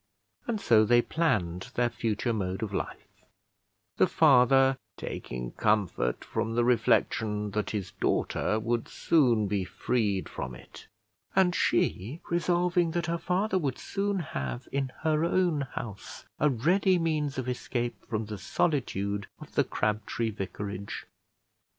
And so they planned their future mode of life; the father taking comfort from the reflection that his daughter would soon be freed from it, and she resolving that her father would soon have in her own house a ready means of escape from the solitude of the Crabtree vicarage.